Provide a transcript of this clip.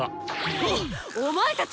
おっお前たち！